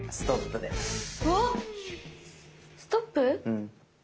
うん。